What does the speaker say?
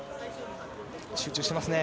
集中していますね。